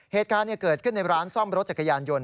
เหตุการณ์เกิดขึ้นในร้านซ่อมรถจักรยานยนต